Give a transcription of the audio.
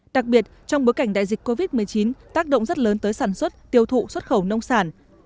đặc biệt trong bối cảnh đại dịch covid một mươi chín tác động rất lớn tới sản xuất tiêu thụ xuất khẩu nông sản